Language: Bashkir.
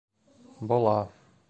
Була.